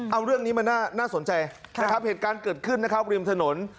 เอาเรื่องนี้มาน่าสนใจนะครับเหตุการณ์เกิดขึ้นนะครับริมถนน